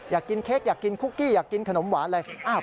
อยากกินเค้กอยากกินคุกกี้อยากกินขนมหวานเลย